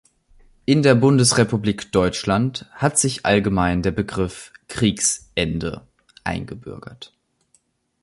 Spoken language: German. In der Bundesrepublik Deutschland hat sich allgemein der Begriff „Kriegsende“ eingebürgert.